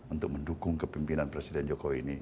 untuk mendukung kepimpinan presiden jokowi ini